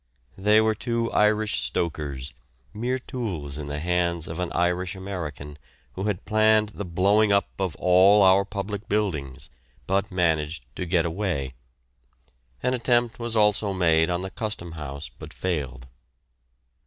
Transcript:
They were two Irish stokers, mere tools in the hands of an Irish American, who had planned the blowing up of all our public buildings, but managed to get away. An attempt was also made on the Custom House, but failed.